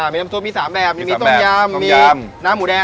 มีน้ำซุปมี๓แบบยังมีต้มยำมีน้ำหมูแดง